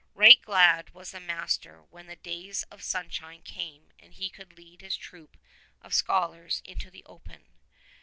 Right glad was the master when the days of sunshine came and he could lead his troop of scholars into the open.